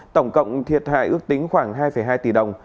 tổng cộng thiệt hại ước tính khoảng hai hai tỷ đồng